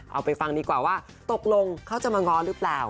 เอาไปฟังดีกว่าว่าตกลงเขาจะมาง้อหรือเปล่า